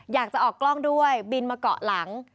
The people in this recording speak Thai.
อยากจะออกกล้องด้วยบินมาเกาะหลัง